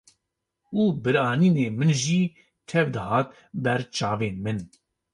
û bîranînên min jî tev dihat ber çavên min